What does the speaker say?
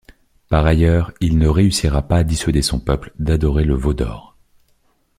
Par ailleurs, il ne réussira pas à dissuader son peuple d'adorer le veau d'or.